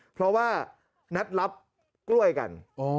เพราะว่านัดรับกล้วยกัน